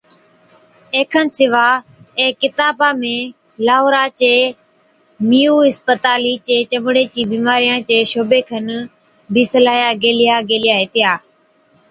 اي کن سِوا اي ڪِتابا ۾ لاهورا چِي مِيئو اِسپتالِي چي چمڙِي چي بِيمارِيان چي شعبي کن بِي صلاحِيا گيهلِيا گيلِيا هِتِيا۔